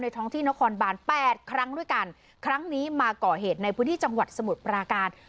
ท้องที่นครบานแปดครั้งด้วยกันครั้งนี้มาก่อเหตุในพื้นที่จังหวัดสมุทรปราการ